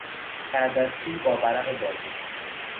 تردستی با ورق بازی